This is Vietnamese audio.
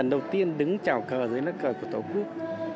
lần đầu tiên đứng trào cờ dưới nất cờ của tổ quốc